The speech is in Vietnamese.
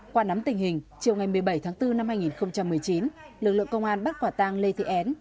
qua nắm tình hình chiều ngày một mươi bảy tháng bốn năm hai nghìn một mươi chín lực lượng công an bắt quả tang lê thị en